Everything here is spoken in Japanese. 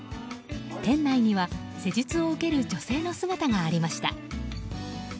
店内には施術を受ける女性の姿がありました。